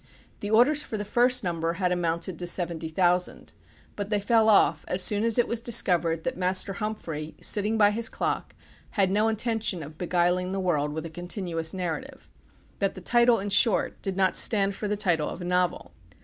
The orders for the first number had amounted to seventy thousand; but they fell off as soon as it was discovered that Master Humphrey, sitting by his clock, had no intention of beguiling the world with a continuous narrative, that the title, in short, did not stand for the title of a novel.